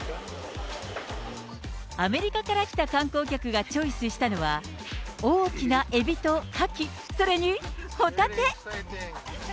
アメリカから来た観光客がチョイスしたのは、大きなエビとカキ、さらにホタテ。